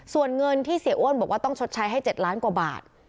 ส่วนเงินที่เสียอ้วนบอกว่าต้องชดใช้ให้๗ล้านกว่าบาท